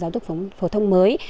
giáo dục phổ thông mới